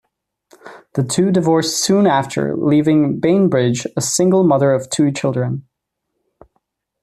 The two divorced soon after, leaving Bainbridge a single mother of two children.